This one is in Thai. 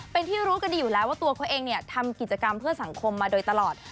เป็นที่รู้กันดีอยู่แล้วว่าตัวเขาเองเนี่ยทำกิจกรรมเพื่อสังคมมาโดยตลอด